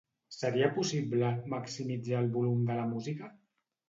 Seria possible maximitzar el volum de la música?